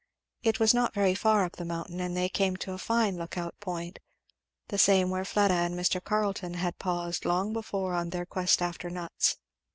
It was not very far up the mountain and they came to a fine look out point; the same where Fleda and Mr. Carleton had paused long before on their quest after nuts.